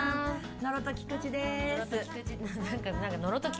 野呂と菊地です。